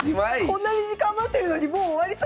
こんなに時間余ってるのにもう終わりそう私。